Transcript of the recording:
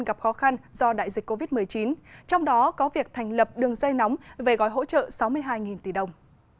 gặp khó khăn do đại dịch covid một mươi chín trong đó có việc thành lập đường dây nóng về gói hỗ trợ sáu mươi hai tỷ đồng